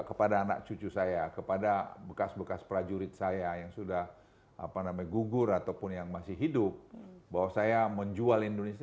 kepada anak cucu saya kepada bekas bekas prajurit saya yang sudah apa namanya gugur ataupun yang masih hidup bahwa saya menjual indonesia